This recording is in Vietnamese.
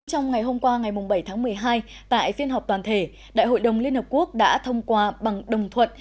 trong ngày hôm qua ngày bảy tháng một mươi hai tại phiên họp toàn thể đại hội đồng liên hợp quốc đã thông qua bằng đồng thuận